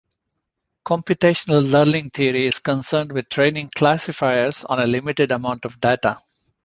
Computational learning theory is concerned with training classifiers on a limited amount of data.